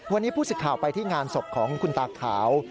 วันนี้ผู้สิทธิ์ข่าวไปที่งานศพของคุณตาขาว